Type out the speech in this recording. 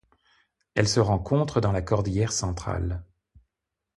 Elle se rencontre dans la Cordillère Centrale.